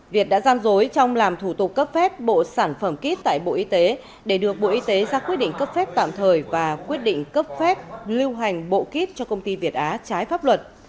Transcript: việt đã gian dối trong làm thủ tục cấp phép bộ sản phẩm kit tại bộ y tế để được bộ y tế ra quyết định cấp phép tạm thời và quyết định cấp phép lưu hành bộ kít cho công ty việt á trái pháp luật